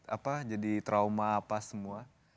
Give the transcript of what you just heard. apa jadi trauma apa semua